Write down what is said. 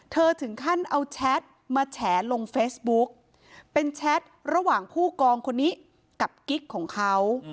ถึงขั้นเอาแชทมาแฉลงเฟซบุ๊กเป็นแชทระหว่างผู้กองคนนี้กับกิ๊กของเขา